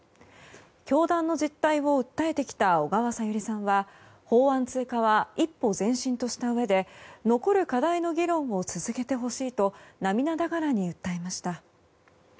教団の実態を訴えてきた小川さゆりさんは法案通過は一歩前進としたうえで残る課題の議論を続けてほしいと涙ながらに訴えました。